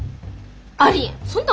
ありえん。